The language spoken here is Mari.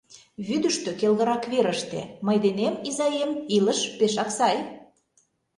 Вӱдыштӧ, келгырак верыште, мый денем, изаем, илыш пешак сай...